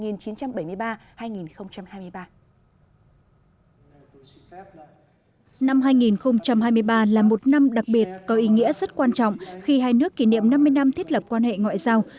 năm hai nghìn hai mươi ba là một năm đặc biệt có ý nghĩa rất quan trọng khi hai nước kỷ niệm năm mươi năm thiết lập quan hệ ngoại giao